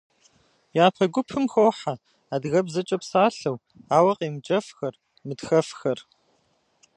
Япэ гупым хохьэ адыгэбзэкӏэ псалъэу, ауэ къемыджэфхэр, мытхэфхэр.